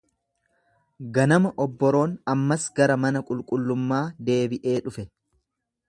Ganama obboroon ammas gara mana qulqullummaa deebiee dhufe.